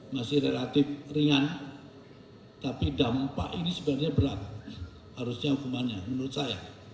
masih relatif ringan tapi dampak ini sebenarnya berat harusnya hukumannya menurut saya